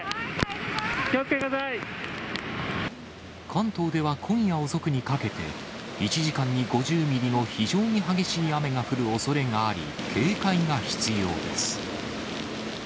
関東では今夜遅くにかけて、１時間に５０ミリの非常に激しい雨が降るおそれがあり、警戒が必要です。